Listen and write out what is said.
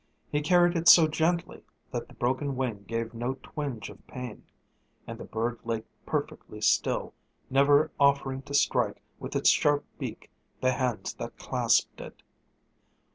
He carried it so gently that the broken wing gave no twinge of pain, and the bird lay perfectly still, never offering to strike with its sharp beak the hands that clasped it.